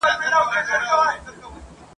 پلار په زامنو باور کوي.